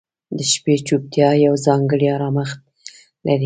• د شپې چوپتیا یو ځانګړی آرامښت لري.